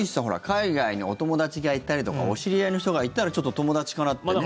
海外にお友達がいたりとかお知り合いの人がいたらちょっと友達かなってね。